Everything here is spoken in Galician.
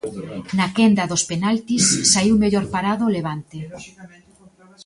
Na quenda dos penaltis saíu mellor parado o Levante.